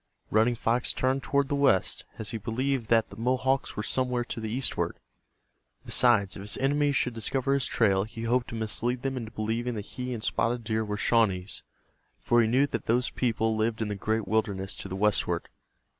Running Fox turned toward the west, as he believed that the Mohawks were somewhere to the eastward. Besides, if his enemies should discover his trail he hoped to mislead them into believing that he and Spotted Deer were Shawnees, for he knew that those people lived in the great wilderness to the westward.